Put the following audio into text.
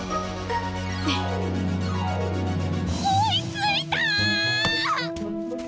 追いついた！